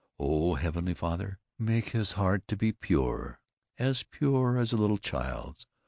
O Heavenly Father, make his heart to be pure, as pure as a little child's.